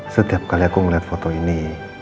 setiap kali aku melihat foto ini